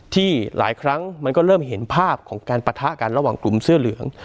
หลายครั้งมันก็เริ่มเห็นภาพของการปะทะกันระหว่างกลุ่มเสื้อเหลือง